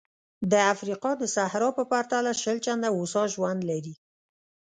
د افریقا د صحرا په پرتله شل چنده هوسا ژوند لري.